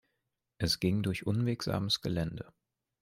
Es ging durch unwegsames Gelände.